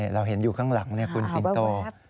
เราเห็นอยู่ข้างหลังคุณสิงโต